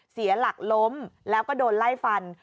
เสียหลักล้มแล้วก็โดนไล่ฟัน